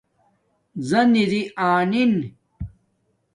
زن اِری آ ْنن